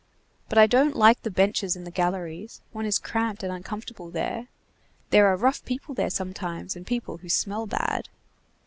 But I don't like the benches in the galleries. One is cramped and uncomfortable there. There are rough people there sometimes; and people who smell bad."